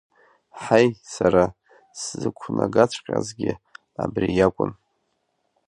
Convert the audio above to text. Ҳаи, сара сзықәнагаҵәҟьазгьы абри иакәын!